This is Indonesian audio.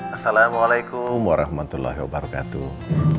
assalamualaikum warahmatullahi wabarakatuh